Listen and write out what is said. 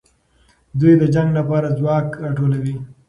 دوی د جنګ لپاره ځواک راټولوي.